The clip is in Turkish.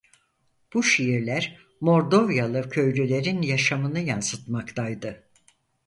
Bu şiirler Mordovyalı köylülerin yaşamını yansıtmaktaydı.